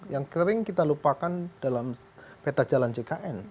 yang kering kita lupakan dalam peta jalan jkn